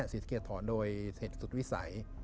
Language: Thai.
ศรีสะเกดทอดโดยเศรษฐ์ตัววิสัย